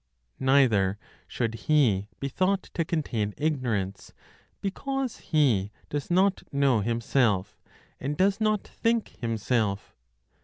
Neither should He be thought to contain ignorance, because He does not know Himself, and does not think Himself.